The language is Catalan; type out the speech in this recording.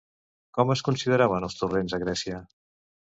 Com es consideraven els torrents a Grècia?